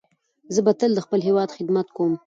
زه به تل د خپل هیواد خدمت کوم.